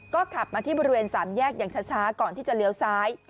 ก็ขับมาที่บริเวณสามแยกอย่างช้าก่อนที่จะเลี้ยวซ้าย